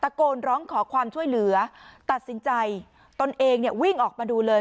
โกนร้องขอความช่วยเหลือตัดสินใจตนเองเนี่ยวิ่งออกมาดูเลย